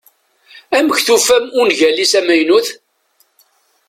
Amek tufamt ungal-is amaynut?